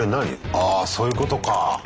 あそういうことか。